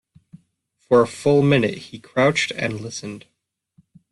For a full minute he crouched and listened.